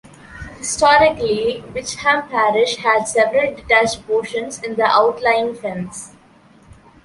Historically, Witcham Parish had several detached portions in the outlying Fens.